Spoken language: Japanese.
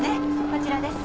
こちらです。